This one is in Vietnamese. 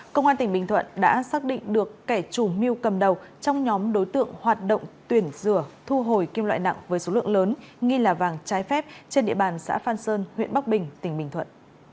công an tỉnh bình thuận đã xác định được kẻ chủ mưu cầm đầu trong nhóm đối tượng hoạt động tuyển rửa thu hồi kim loại nặng với số lượng lớn nghi là vàng trái phép trên địa bàn xã phan sơn huyện bắc bình tỉnh bình thuận